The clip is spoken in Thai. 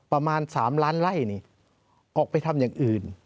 ประมาณ๓ล้านไล่นี่ออกไปทำอย่างอื่น